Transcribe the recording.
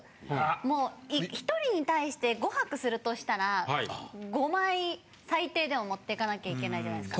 １人に対して５泊するとしたら５枚最低でも持っていかなきゃいけないじゃないですか。